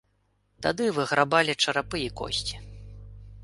Тады выграбалі чарапы і косці.